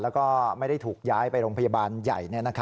แล้วก็ไม่ได้ถูกย้ายไปโรงพยาบาลใหญ่